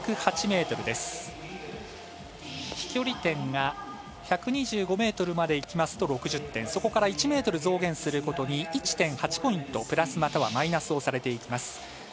飛距離点が１２５ｍまでいきますと６０点そこから１ｍ増減するごとに１．８ポイント、プラスまたはマイナスされていきます。